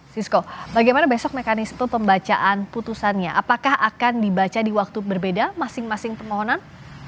sisko bagaimana besok mekanisme pembacaan putusannya apakah akan dibaca di waktu berbeda masing masing permohonan